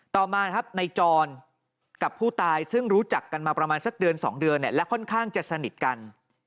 ต่อมาครับในจรกับผู้ตายซึ่งรู้จักกันมาประมาณสักเดือน๒เดือนและค่อนข้างจะสนิทกัน